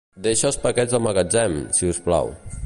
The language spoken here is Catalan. Deixa els paquets al magatzem, si us plau.